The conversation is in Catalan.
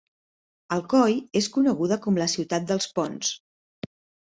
Alcoi és coneguda com la ciutat dels ponts.